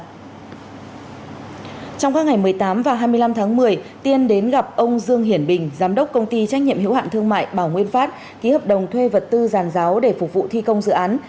trong các ngày một mươi tám và hai mươi năm tháng một mươi tiên đến gặp ông dương hiển bình giám đốc công ty trách nhiệm hiệu hạn thương mại bảo nguyên pháp ký hợp đồng thuê vật tư giàn giáo để phục vụ thi công dự án